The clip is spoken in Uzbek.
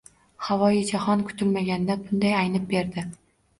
Havoi jahon kutilmaganda bunday aynib berdi.